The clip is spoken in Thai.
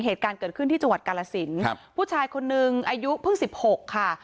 เหตุการณ์เกิดขึ้นที่จังหวัดกาลสินครับผู้ชายคนนึงอายุเพิ่งสิบหกค่ะ